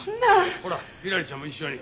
ほらひらりちゃんも一緒に。